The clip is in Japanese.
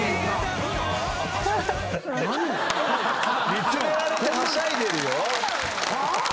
見つめられてはしゃいでるよ。